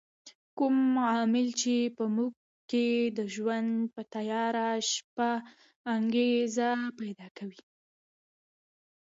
کوم عامل چې په موږ کې د ژوند په تیاره شپه انګېزه پیدا کوي.